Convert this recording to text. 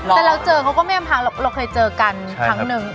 แต่เราเจอเขาก็ไม่อำพังเราเคยเจอกันครั้งหนึ่ง